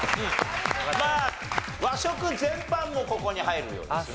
まあ和食全般もここに入るようですね。